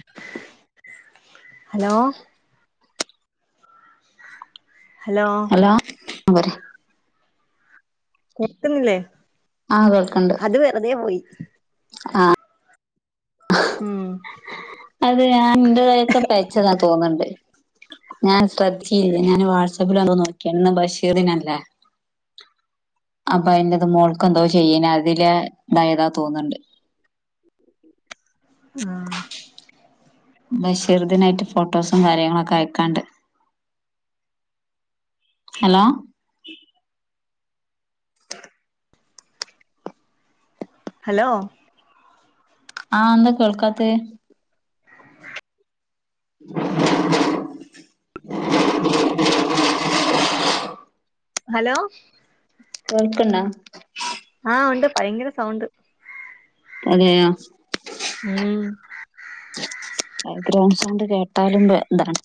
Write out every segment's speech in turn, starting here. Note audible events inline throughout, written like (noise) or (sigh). (inaudible) Hello hello hello അ പറി കേൾക്കുന്നില്ലേ ആ അത് വെറുതെ പോയി ആഹ ഉം അത് ഞാൻ എൻ്റെതായൊക്കെ പെയച്ചെതാ തോന്ന്ണ്ട് ഞാൻ ശ്രദ്ധിച്ചില്ല ഞാൻ വാട്സആപ്പിൽ വന്ന് നോക്കിയ ഇന്ന് ബഷീറിനല്ലേ? അപ്പൊ അതിന്റെത് മോൾക്ക് എന്തോ ചെയ്യിണ അതില് ഇതായതാ തോന്ന്ണ്ട് ആഹ ബഷീർദിനായിട്ട് ഫോട്ടോസും കാര്യങ്ങളൊക്കെയക്കാണ്ട്. ഹലോ (inaudible) ഹലോ ആഹ് എന്താ കേൾക്കാത്ത? (inaudible) (inaudible) ഹലോ കേൾക്ക്ണ്ടോ? ആഹ ഉണ്ട് ഭയങ്കര സൗണ്ട് അതെയ മ് ബാഗ്രൗണ്ട് സൗണ്ട് കേട്ടാലും ഇതാണ്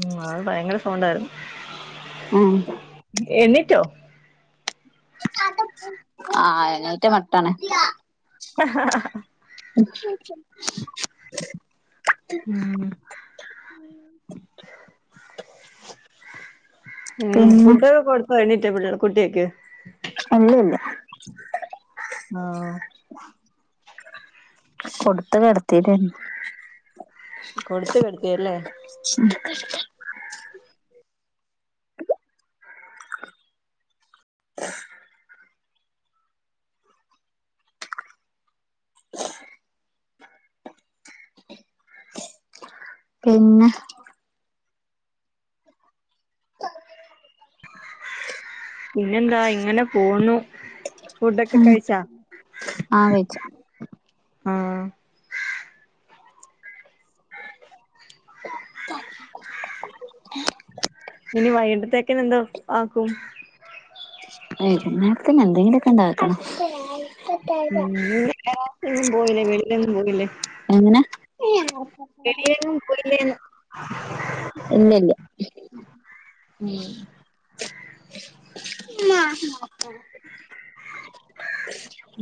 ഉ അത് ഭയങ്കര സൗണ്ടായിരുന്നു (unintelligible) എണീറ്റോ? ആ എണീറ്റ മട്ടാണ് (unintelligible) (unintelligible) ഉം ഉം പിന്നെ ഫുഡൊക്കെ കൊടുത്തെ എണീറ്റപ്പ കുട്ടിയക്ക് അല്ല അല്ല ആഹ കൊടുത്തു കിടത്തിട്ട്ണ്ട്. കൊടുത്ത് കെടത്തില്ലേ? (unintelligible) (inaudible) (inaudible) പിന്നെ പിന്നെന്താ ഇങ്ങനെ പോവ്ന്നു ഫുഡൊക്കെ കയ്ച്ചാ ആ വെച്ചു ആഹ് ഇനി വൈക്‌ട്ടേത്തേക്ക്നെന്ത് ആക്കും വെയ്കുന്നേര്ത്ത്ന് എന്തെങ്കിലൊക്കെണ്ടാക്കണം ഉം എങ്ങും പോയില്ലേ വെളിയിലെങ്ങും പോയില്ലേ എങ്ങെനാ വെളിയിലെങ്ങും പോയില്ലേന്ന് ഇല്ലല്ല ഊം ആഹ്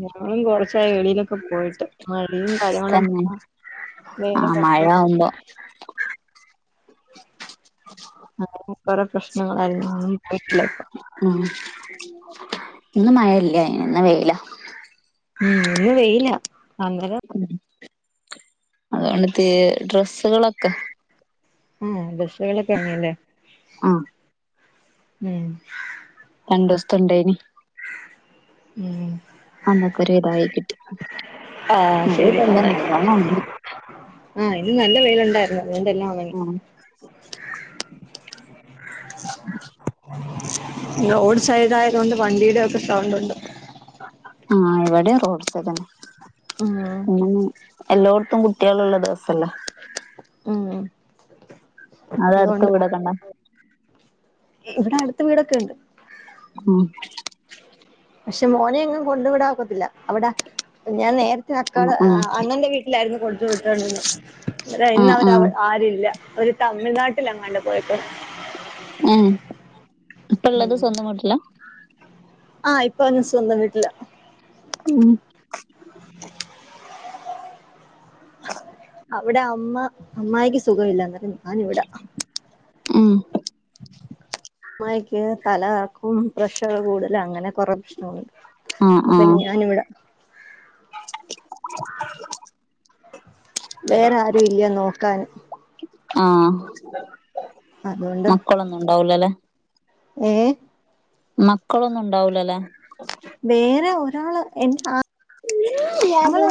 ഞാന് കൊറച്ചായി വെളിയിലൊക്കെ പോയിട്ട് മഴയും അതാണ് പ്പം വേറെ (unintelligible) അല്ലാ അങ്ങനെ കൊറേ പ്രശ്നങ്ങളായി എങ്ങും പോയിട്ടില്ലപ്പ ഉം ഇന്ന് മയെല്ലേ ഇന്ന് വെയ്ലാ ഊം ഇന്ന് വെയ്ലാ അന്നര അത്കൊണ്ട് തേ ഡ്രസ്സ്കളൊക്കെ ആഹ് ഡെസ്സ്കളൊക്കെ ഒണങ്ങും ലേ ആഹ് ഉം രണ്ടൂസ്തെ ഇണ്ടായ്നി ഊം അന്നൊക്കൊര് തായി കിട്ടി ആഹ് അല്ലെങ്കി ശരി പ്പോ എല്ലം ഒന്നായിക്കോ നല്ലോണാെണങ്ങും ആഹ് ഇന്ന് നല്ല വെയിലുണ്ടായിര്ന്നു അതുകൊണ്ട് എല്ലാം അങ്ങ് ഉം റോഡ് സൈഡായത്കൊണ്ട് വണ്ടീടെ ഒക്കെ സൗണ്ട് ഉണ്ട് ആഹ് ഇവിടെയും റോഡ്സൈഡെന്നെ ഉം പിന്നെ എല്ലോട്ത്തും കുട്ട്യേള് ള്ളെ ദിവസല്ലേ ഉം അത് അടുത്ത അത്കൊണ്ട് വീടൊക്കെ ഉണ്ടോ ഇ ഇവ്ടെ അട്ത്ത് വീടൊക്കെ ഇണ്ട് ഉം പക്ഷെ മോനെ എങ്ങും കൊണ്ട് വിടാ ഒക്കെത്തില്ല അവ്ടാ ഞാൻ നേര്ത്തെ ഉം അക്കാടെ ആ ഉം അണ്ണന്റെ വീട്ട്ലായ്ര്ന്നു കൊടുത്തു വിട്ടോണ്ടിര്ന്നത് ക്ഷേ ഇന്ന ഉം അവര് ഉം അവ ആരൂ ഇല്ല അവര് തമിഴ്നാട്ടിലെങ്ങാണ്ട് പോയേക്കുവാ ഉം ഇപ്പള്ളത് സ്വന്തം വീട്ട്ലാ ആഹ് ഇപ്പൊ ഞൻ സ്വന്തം വീട്ട്ലാ ഊം അവ്ടെ അമ്മ അമ്മായിക്ക് സുഖവില്ല ന്ന്ട്ട് ഞാന് വ്ടാ ആഹ് അമ്മായ്ക്ക് തല കറക്കും പ്രഷർ കൂട്തല് അങ്ങനെ കൊറേ പ്രശ്നങ്ങൾണ്ട് ആഹ് അപ്പന് ആഹ് ഞാനിവ്ടാ വേറെ ആരൂല്യ നോക്കാന് ആഹ് മക്കളൊന്നുംണ്ടാവൂലലെ ഏഹ് മക്കളൊന്നുംണ്ടാവൂലലേ വേറെ ഒരാള് എൻ ഹാ അവള്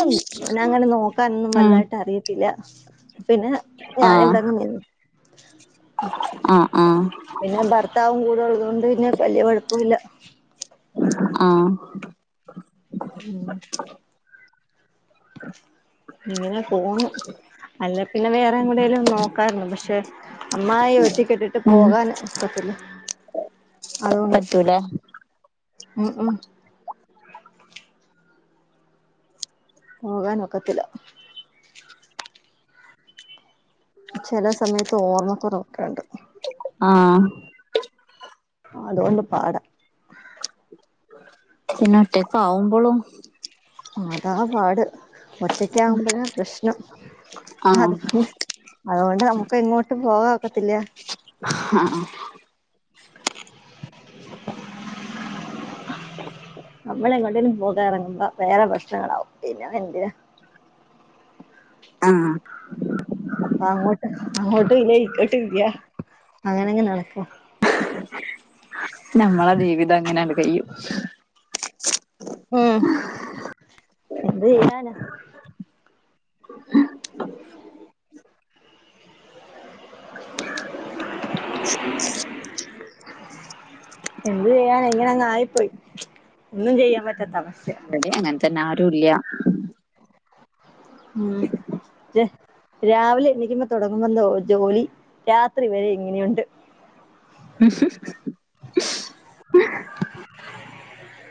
അങ്ങനെ നോക്കാനൊന്നും ഉം വലുതായിട്ട് അറിയത്തില്ല പിന്നെ ആഹ് ഞാനിവടെങ്ങ് നിന്നു ആ പിന്നെ ഭർത്താവും കൂടെ ഉള്ളത് കൊണ്ട് പിന്നെ വല്യ കാെഴപ്പവില്ലാ ആ ഉം ഇങ്ങനെ പോന്നു അല്ല പിന്നെ വേറെ എങ്ങോട്ടേലും നോക്കാരുന്നു പക്ഷെ അമ്മായി ഒറ്റക്കിട്ടിട്ട് ഉം പോകാനും കൊഴപ്പല്ല അതുകൊണ്ട് പറ്റൂല ഉം ഉം പോകാൻ നൊ ക്കത്തില്ല ചെല സമയത്ത് ഓർമ്മ കുറവ് ഒ ക്കെ ഉണ്ട് ആഹ് അതുകൊണ്ട് പാടാ പിന്നെ ഒറ്റക്ക് ആവുമ്പൊളൊ അതാ പാട് ഒറ്റക്ക് ആകുമ്പഴാ പ്രശ്നം ആഹ് അതുകൊണ്ട് അതുകൊണ്ട് നമുക്ക് എങ്ങോട്ടും പോകാൻ ഒക്കത്തില്ല ആആ ശബ്ദം ക്ലിയർ അല്ല ശബ്ദം ക്ലിയർ അല്ല നമ്മള് എങ്ങോട്ടെങ്കിലും പോകാൻ ഇറങ്ങുമ്പം വേറെ പ്രശ്നങ്ങളാവും പിന്നെ എന്തിനാ ആ അപ്പാ അങ്ങോട്ട് അങ്ങോട്ടും ഇല്ല ഇങ്ങോട്ടും ഇല്ല അങ്ങനങ്ങ് നടക്ക നമ്മളെ ജീവിതം അങ്ങനെയങ്ങ് കഴിയും ഉം എന്ത് ചെയ്യാ ന ശബ്ദം ക്ലിയർ അല്ല എന്ത് ചെയ്യാന ഇങ്ങനെ അങ്ങ് ആയിപ്പോയി ഒന്നും ചെയ്യാൻ പറ്റാത്ത അവസ്ഥയാ തന്നആരും ഇല്ല്യ ഉം രാവിലെ എണീക്കുമ്പം തൊടങ്ങുന്നല്ലോ ജോലി രാത്രി വെരെ ഇങ്ങെനെയുണ്ട് ഉം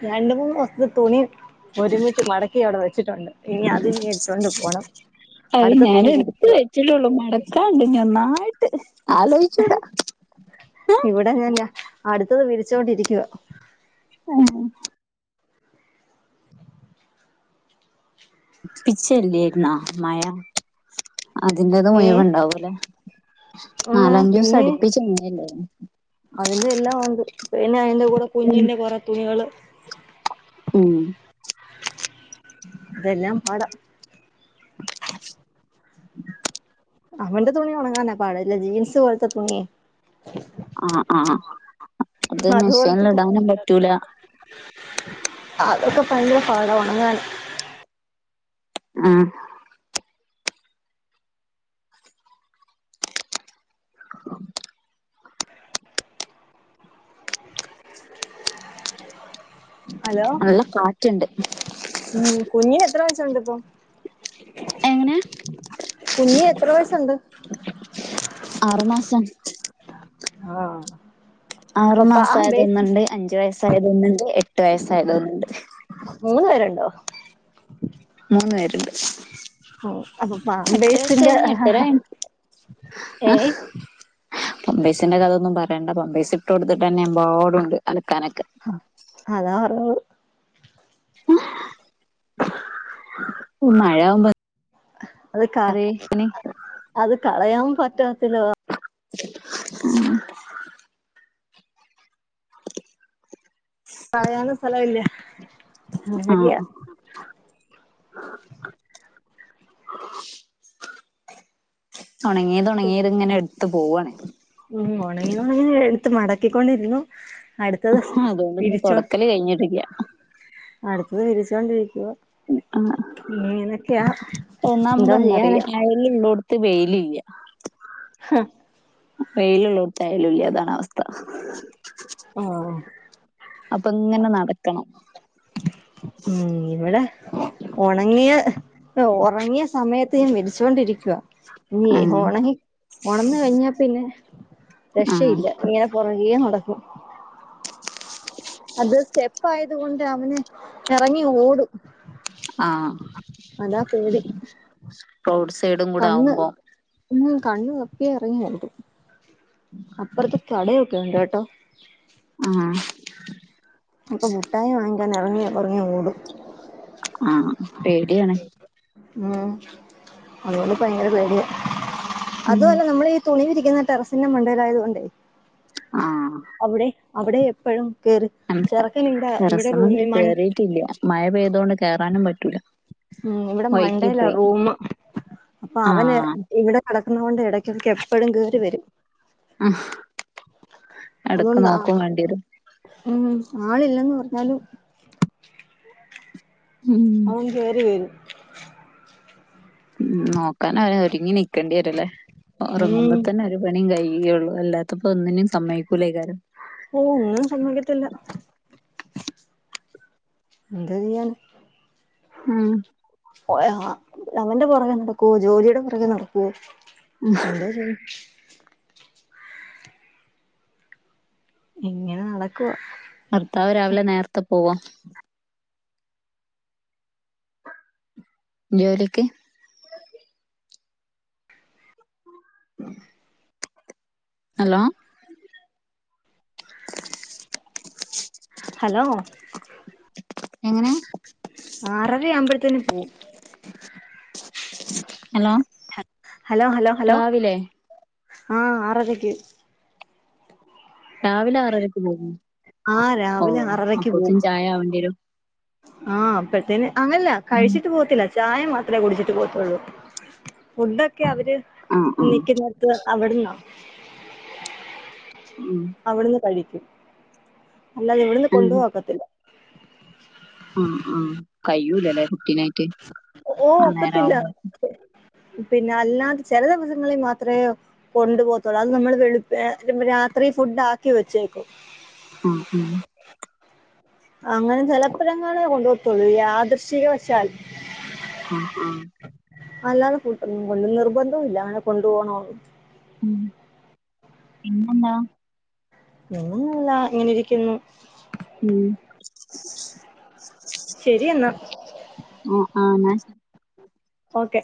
രണ്ട് മൂന്നി സത്തെ തുണി ഒരുമിച്ച് മടക്കി അവിടെ വെച്ചിട്ടുണ്ട് ഇനി അത് ഇനി എടുത്തോണ്ട് പോണം അത് അടുത്ത തുണി ഞാനെട്ത്ത് വിരിക്കുക വെച്ചിട്ടാെള്ളു മടക്കാണ്ട് ഞ്ഞാെന്നായ്ട്ട് ആലോയ്ച്ചൂടാ ഇവിടെ ഞാൻ അടുത്തത് വിരിച്ചോണ്ടിരിക്കുവ ആ ട്പ്പിച്ചെല്ലേയ്ര്ന്നോ മയ അതിൻ്റെത് ഏ മുയ്‌വംണ്ടാവുലേ ആ നാലഞ്ചു ദിവസം പിന്നെ അടുപ്പിച്ച് മഴ ല്ലായിരുന്നോ അതിന്റെ എല്ലാം ഉണ്ട് പിന്നെ അതിന്റെ കൂടെ ഉം കുഞ്ഞിന്റെ കുറെ തുണികള് ഉം ഇതെല്ലാം പാട ശബ്ദം ക്ലിയർ അല്ല അവന്റെ തുണി ഉണങ്ങാന പാട് ഇല്ല ജീൻസ് പോലത്തെ തുണിയെ ആഹ് ആഹ്. അത് അതുപോലത്തെ മെഷീനൽ തു ഇടാനും പറ്റൂല അതൊക്കെ പയങ്കര പാട ഉണങ്ങാന് ആ ശബ്ദം ക്ലിയർ അല്ല ഹലോ നല്ല കാറ്റ്ണ്ട് ഉം കുഞ്ഞിന് എത്ര വയസുണ്ട് ഇപ്പൊ എങ്ങനെ കുഞ്ഞ് എത്രെ വയസാെണ്ട് ആറ് മാസം ആഹ് ആറു അപ്പൊ പാമ്പേഴ്സ് മാസായതൊന്ന്ണ്ട് അഞ്ചു വയസ്സായതൊന്ന്ണ്ട് എട്ട് വയസ്സായതൊന്ന്ണ്ട് മൂന്ന് പേരുണ്ടോ മൂന്ന് പേരുണ്ട് ഉം അപ്പൊ എട്ടര വയസ് പാമ്പേഴ്സിന്റെ കഴിഞ്ഞ എട്ടര ആയിന് ഏ ആഹ് പമ്പേസിന്റെ കഥയൊന്നും പറയണ്ട പമ്പേസ് ഇട്ടൊട്ത്ത്ട്ടെന്നെ എമ്പാടുണ്ട് അലക്കാനൊക്കെ അതാ (unintelligible) മയാവുമ്പോ അത് കാ അത് കളയാൻ പറ്റാത്തില (inaudible) (inaudible) പറയാനും സ്ഥലവില്ല ആ (inaudible) ഒണങ്ങിയത് ഒണങ്ങിയതിങ്ങനെ എടുത്ത് പോവാണ് ഉം ഒണങ്ങിങ്ങത് ഒണങ്ങിയതെടുത്ത് മടക്കിക്കൊണ്ടിര്ന്നു അതോണ്ട്പ്പോ തൊടക്കല് കയ്ഞ്ഞ്ട്ടില്ല അടുത്തത് വിളിച്ചോണ്ടിരിക്കുവ (unintelligible) എന്തോ ചെയ്യാനാ ന്ന് മ്മളോട്ത്ത് വെയ്ലില്ല ആഹ് വെയിലുള്ളോട്ത്തായാലും ഇല്ലതാണവസ്ഥ ആഹ് അപ്പൊങ്ങനെ നടക്കണം ഉം ഇവടെ ഒണങ്ങിയ ഉറങ്ങിയ സമയത്ത് ഞാൻ വിരിച്ചോണ്ടിരിക്കുവാ ഞ്ഞി ആഹ് ഓളെനി ഒണന്ന് കയ്ഞ്ഞാ പിന്നെ ആഹ് രക്ഷയില്ല ഇങ്ങനെ പൊറകേ നടക്കും അത് സ്റ്റെപ് പ്പായതോണ്ട് അവന് എറങ്ങി ഓടും ആഹ് അതാ പേടി റോഡ് സൈഡും കണ്ണ് കൂടാകുമ്പോ ഉം കണ്ണ് (unintelligible) അറിയിന്ന്ണ്ട് (inaudible) അപ്പുറത്ത് കടയൊക്കെ ഉണ്ടേട്ടോ ആ അപ്പോ മുട്ടായി വാങ്ങിക്കാന് എറങ്ങി എറങ്ങി ഓടും ആ പേടിയാണ് ഉം അതോണ്ട് പ്പൊ ഭയങ്കര പേടിയ അതല്ല നമ്മളീ തുണി വിരിക്കുന്ന ടെറസിന്റെ മണ്ടേലായതോണ്ടേ ആഹ് അവടേം അവടെ എപ്പഴും കേറി ചെറുക്കൻ ഇവടെ ഇവടെ റൂമി മൺ റ്റില്ല മയ പെയ്തോണ്ട് കേറാനും പറ്റൂല്ല ഉം ഇവടെ മണ്ടേലാ റൂമ് അപ്പൊ അവന് ആഹ് ഇവടെ കടക്ക്ന്നോണ്ട് എടെക്കെടെയ്ക്ക് എപ്പഴും കേറി വെരും ഹ് എടക്ക് അതുകൊണ്ടാ നോക്കും വേണ്ടി വെരും ഉം ആളില്ലെന്ന് പറഞ്ഞാലും ഉം ഓൻ കേറിവെരും ഉം നോക്കാനവനെ ഒരുങ്ങിനിക്കണ്ടി വെരും ല്ലേ ഉം ഒറങ്ങുമ്പോത്തെന്നൊരു പണിയും കഴിയുകയൊള്ളു അല്ലാത്തപ്പോ ഒന്നിനും സമ്മക്കൂലേയ്ക്കാരം ഓ ഒന്നും സമ്മക്കത്തില്ല എന്തോ ചെയ്യാൻ ഉം അവന്റെ പുറകെ നടക്കുവോ ജോലിയുടെ പുറകെ നടക്കുവോ എന്തോ ചെയ്യും ഇങ്ങനെ നടക്കവാ ഭർത്താവ് രാവിലെ നേരത്തെ പോവാ ജോലിക്ക് (inaudible) ഹലോ ഹലോ എങ്ങനെ ആറര ആവുമ്പോഴത്തേന് പോവും ഹലോ ഹലോ ഹലോ ഹലോ രാവിലെ ആഹ് ആറരക്ക് രാവിലെ ആറരക്ക് പോകും ആ രാവിലെ ആറരക്ക് പോവും ചായാവണ്ടിരും ആഹ് അപ്പഴത്തേന് അങ്ങനല്ല കഴിച്ചിട്ട പോത്തില്ല ചായ മാത്രമേ കുടിച്ചിട്ട് പോവത്തുള്ളൂ ഫുഡൊക്കെ അവര് ആഹ് ആഹ് നീക്കുന്ന അവിടന്നോ ഉം അവിടുന്ന് കഴിക്കും അല്ലാതെ ഇവിടുന്ന് കൊണ്ടു ആഹ് പോക്കത്തില്ല ആ ആ കയൂലല്ലേ ഓ ഒക്കത്തില്ല പിന്നെ അല്ലാതെ ചില ദിവസങ്ങളിൽ മാത്രെ കൊണ്ടു പോത്തോള്ളൂ അത് നമ്മള് വെളുപ്പ രാത്രി ഫുഡ് ആക്കി വെച്ചേക്കോ ആ ആ അങ്ങനെ ചലപ്പഴങ്ങള കൊണ്ട പോത്തുള്ളൂ യാദൃഷിക വശാൽ ആ ആ അല്ലാതെ (unintelligible) നിർബന്തുല്ല അങ്ങനെ കൊണ്ടു പോണന്ന് ഉം പിന്നെന്താ നിന്നന്നല്ല ഇങ്ങനെ ഇരിക്കുന്നു ഉം (inaudible) ശരി എന്നാ ഓ ആഹ് ന്നാ ഓക്കെ